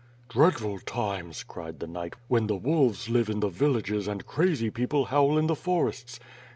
"Dreadful times," cried the knight, "when the wolves live in the villages and crazy people howl in the forests.